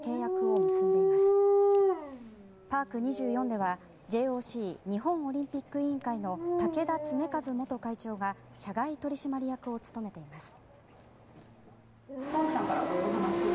では、ＪＯＣ・日本オリンピック委員会の竹田恒和元会長が社外取締役を務めています。